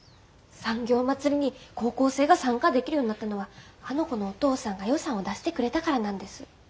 産業まつりに高校生が参加できるようになったのはあの子のお父さんが予算を出してくれたからなんです。